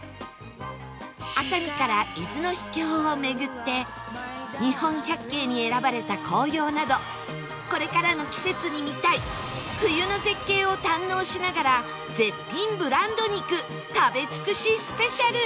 熱海から伊豆の秘境を巡って日本百景に選ばれた紅葉などこれからの季節に見たい冬の絶景を堪能しながら絶品ブランド肉食べ尽くしスペシャル